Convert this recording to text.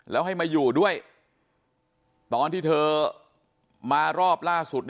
แล้วให้มาอยู่ด้วยตอนที่เธอมารอบล่าสุด